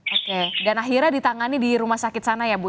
oke dan akhirnya ditangani di rumah sakit sana ya bu